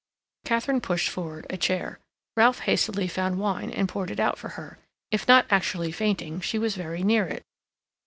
Katharine pushed forward a chair; Ralph hastily found wine and poured it out for her. If not actually fainting, she was very near it.